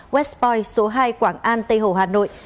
west point số hai quảng an tây hồ hà nội